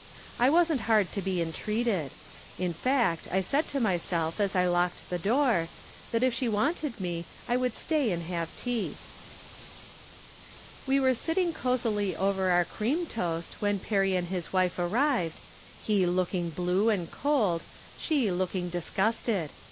I wasn't hard to be entreated ; in fact I saidT to myself as I locked the door, that if she wanted me I would stay and have tea. We were sitting cosUy over our cream toast, when Perry and his wife arrived, he look ing blue and cold, she looking disgusted.